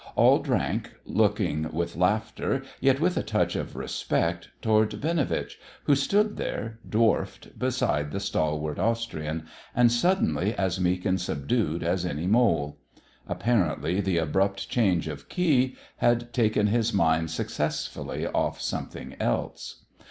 All drank, looking with laughter, yet with a touch of respect, toward Binovitch, who stood there dwarfed beside the stalwart Austrian, and suddenly as meek and subdued as any mole. Apparently the abrupt change of key had taken his mind successfully off something else.